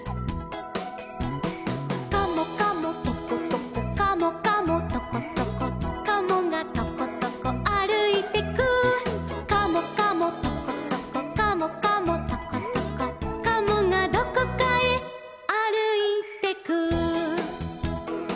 「カモカモトコトコカモカモトコトコ」「カモがトコトコあるいてく」「カモカモトコトコカモカモトコトコ」「カモがどこかへあるいてく」